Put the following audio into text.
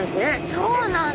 そうなんだ！